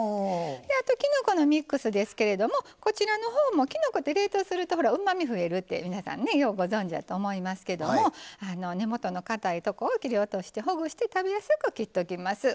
あと、きのこのミックスもきのこって冷凍するとうまみ増えるって、皆さんようご存じやと思いますけど根元のかたいところを切り落としてほぐして食べやすくしておきます。